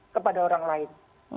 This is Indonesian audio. kepada orang lain